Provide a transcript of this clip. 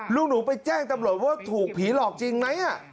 ลูกหนูไปแจ้งตำรวจว่าถูกผีหลอกจริงไหม